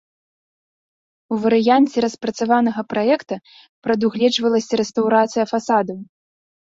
У варыянце распрацаванага праекта прадугледжвалася рэстаўрацыя фасадаў.